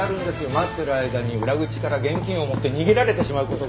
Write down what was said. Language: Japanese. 待ってる間に裏口から現金を持って逃げられてしまう事が。